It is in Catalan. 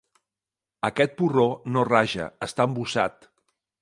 Aquest porró no raja; està embussat.